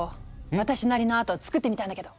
私なりのアート作ってみたんだけど。